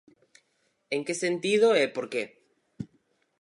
En que sentido e por que?